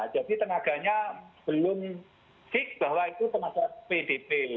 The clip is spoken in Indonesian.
jadi tenaganya belum fix bahwa itu tenaga pdp